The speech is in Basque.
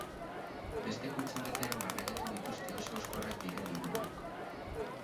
Beste kutxa batean garraiatu dituzte oso hauskorrak diren liburuok.